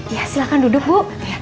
ya silahkan duduk bu